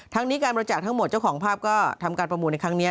นี้การบริจาคทั้งหมดเจ้าของภาพก็ทำการประมูลในครั้งนี้